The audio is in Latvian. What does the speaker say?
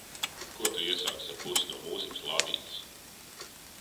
Ko tu iesāksi ar pusi no mūzikas lādītes?